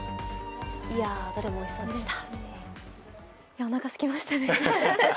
どれもおいしそうでした。